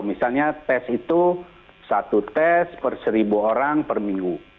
misalnya tes itu satu tes per seribu orang per minggu